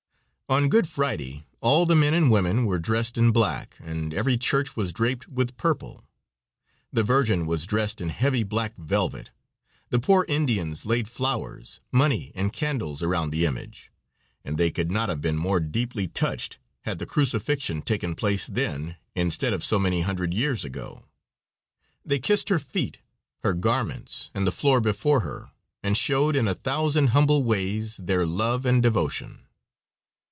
On Good Friday all the men and women were dressed in black, and every church was draped with purple. The Virgin was dressed in heavy black velvet. The poor Indians laid flowers, money and candles around the image, and they could not have been more deeply touched had the crucifixion taken place then instead of so many hundred years ago. They kissed her feet, her garments, and the floor before her, and showed in a thousand humble ways their love and devotion.